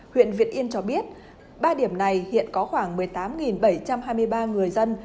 huyện việt yên cho biết ba điểm này hiện có khoảng một mươi tám bảy trăm hai mươi ba người dân